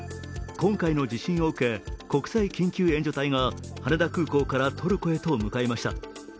今回の地震を受け国際緊急援助隊が羽田空港からトルコへと向かいました。